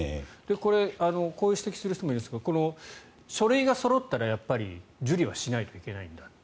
こういう指摘をする人もいるんですが書類がそろったらやっぱり受理はしないといけないんだと。